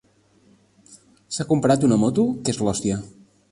S'ha comprat una moto que és l'hòstia.